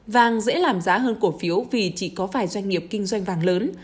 vàng dễ làm giá hơn cổ phiếu vì chỉ có vài doanh nghiệp kinh doanh vàng lớn